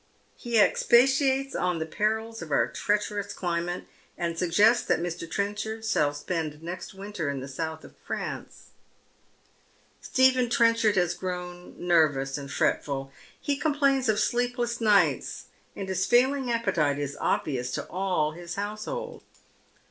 He expatiates on tlie perils of our treacherous climate, and suggests that Mr. Trenchard shall spend next winter in the south of France. Stephen Trenchard has grown nervous and fi etful. He com plains of sleepless nights, and his failing appetite is obvious to all his household.